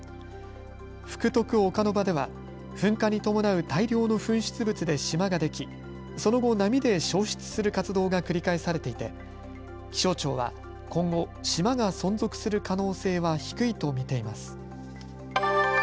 福徳岡ノ場では噴火に伴う大量の噴出物で島ができその後、波で消失する活動が繰り返されていて気象庁は今後、島が存続する可能性は低いと見ています。